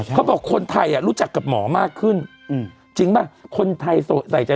เขาบอกคนไทยอ่ะรู้จักกับหมอมากขึ้นจริงป่ะคนไทยใส่ใจ